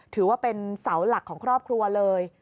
ถือว่าเป็นเสาหลักของครอบครัวเลย